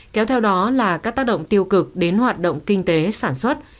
kéo theo đó là các tác động tiêu cực đến hoạt động kinh tế sản xuất